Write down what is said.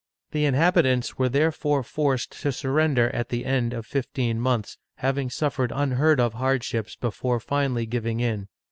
The inhabitants were therefore forced to surrender at the end of fifteen months, having suffered unheard of hardships before finally giving in.